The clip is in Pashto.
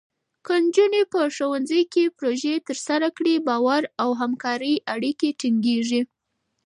که نجونې په ښوونځي کې پروژې ترسره کړي، باور او همکارۍ اړیکې ټینګېږي.